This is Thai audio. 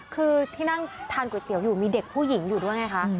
คือที่นั่งทานก๋วยเตี๋ยวอยู่มีเด็กผู้หญิงอยู่ด้วยไงคะ